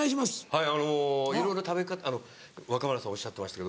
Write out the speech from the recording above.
はいいろいろ食べ方若村さんおっしゃってましたけど。